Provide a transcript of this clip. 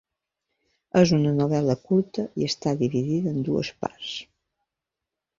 És una novel·la curta i està dividida en dues parts.